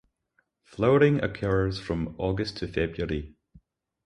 Flowering occurs from August to February.